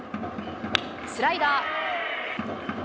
スライダー。